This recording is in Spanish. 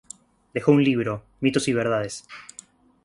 Dejó un libro: "Mitos y verdades".